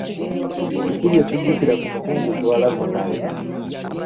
Biki bye tujjukira ku Mukungu Kyewalabye Male?